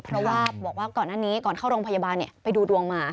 เพราะว่าบอกว่าก่อนหน้านี้ก่อนเข้าโรงพยาบาลไปดูดวงมา